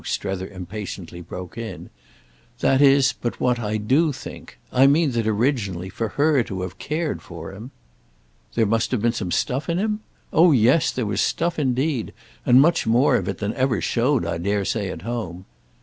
Strether impatiently broke in: "that is but what I do think! I mean that originally, for her to have cared for him—" "There must have been stuff in him? Oh yes, there was stuff indeed, and much more of it than ever showed, I dare say, at home.